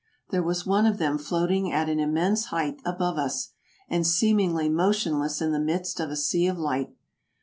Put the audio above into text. There was one of them floating at an immense height above us, and seemingly motionless in the midst of a sea of light.